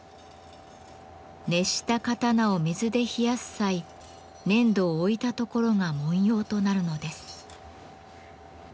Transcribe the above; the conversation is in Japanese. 熱した刀を水で冷やす際粘土を置いた所が文様となるのです。